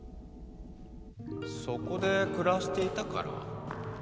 そこで暮らしていたから？